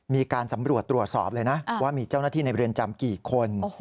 มีการสำรวจตรวจสอบเลยนะว่ามีเจ้าหน้าที่ในเรือนจำกี่คน